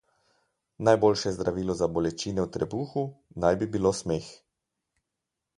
Najboljše zdravilo za bolečine v trebuhu naj bi bilo smeh.